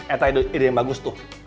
eh ide yang bagus tuh